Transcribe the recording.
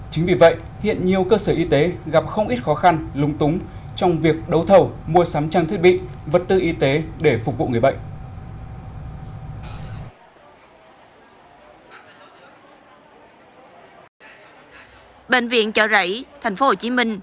chính vì vậy hiện nhiều cơ sở y tế gặp không ít khó khăn lung túng trong việc đấu thầu mua sắm trang thiết bị vật tư y tế để phục vụ người bệnh